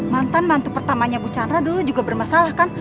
mantan mantu pertamanya bu chandra dulu juga bermasalah kan